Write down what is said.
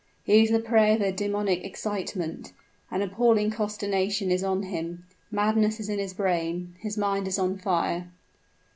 He is the prey of a demoniac excitement: an appalling consternation is on him madness is in his brain his mind is on fire.